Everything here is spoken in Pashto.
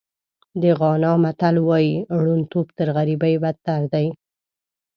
د غانا متل وایي ړوندتوب تر غریبۍ بدتر دی.